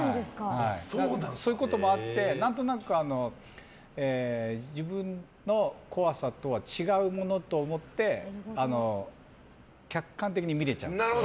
そういうこともあって何となく、自分の怖さとは違うものと思って客観的に見れちゃう。